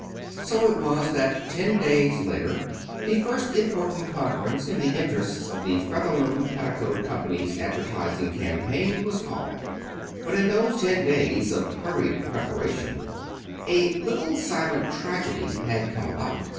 So it was that ten days later the first important conference in the interests of the Featherloom Petticoat Company's advertising campaign was called. But in those ten days of hurried preparation a little silent tragedy had come about.